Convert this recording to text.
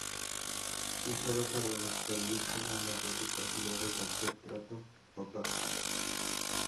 Se usaba para referirse a la reciprocidad de cualquier trato o pacto.